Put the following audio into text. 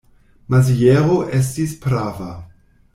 Maziero estis prava.